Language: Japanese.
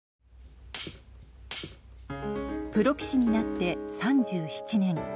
プロ棋士になって３７年。